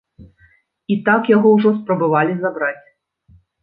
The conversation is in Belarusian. І так яго ўжо спрабавалі забраць.